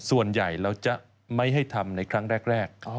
ส่วนใหญ่เราจะไม่ให้ทำในครั้งแรก